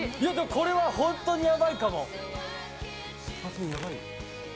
これは本当にやばいかも。